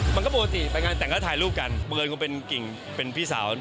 มันก็ปกติแต่งและถ่ายรูปกันเบอร์คงเป็นกิ่งเป็นพี่สาวน้อง